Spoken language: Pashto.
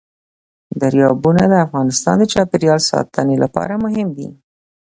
دریابونه د افغانستان د چاپیریال ساتنې لپاره مهم دي.